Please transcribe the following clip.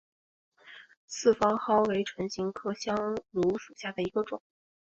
四方蒿为唇形科香薷属下的一个种。